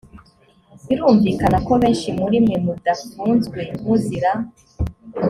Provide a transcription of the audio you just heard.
birumvikana ko benshi muri mwe mudafunzwe muzira